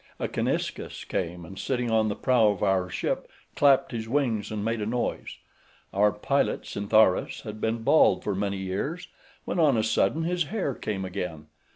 A cheniscus came, and sitting on the prow of our ship, clapped his wings and made a noise. Our pilot Scintharus had been bald for many years, when on a sudden his hair came again.